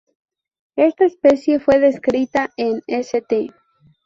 Esta especie fue descrita en St.